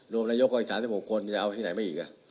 นายกก็อีก๓๖คนจะเอาที่ไหนมาอีก